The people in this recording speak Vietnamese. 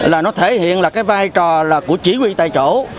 là nó thể hiện vai trò của chỉ huy tại chỗ